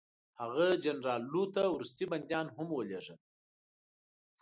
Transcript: هغه جنرال لو ته وروستي بندیان هم ولېږل.